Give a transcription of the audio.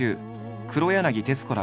黒柳徹子ら